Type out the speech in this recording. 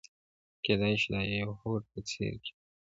کېدای شي دا د يوه هوډ په څېره کې وي.